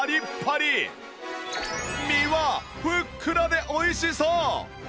身はふっくらで美味しそう！